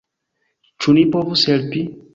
Ĉu ni povus helpi?